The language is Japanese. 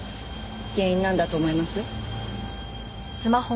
原因なんだと思います？